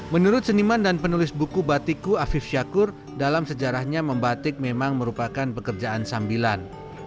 menurut seniman dan penulis buku batiku afif syakur dalam sejarahnya membatik memang merupakan pekerjaan sambilan